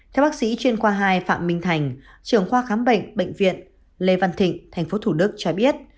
theo bác sĩ chuyên khoa hai phạm minh thành trưởng khoa khám bệnh bệnh viện lê văn thịnh tp thủ đức cho biết